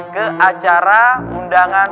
ke acara undangan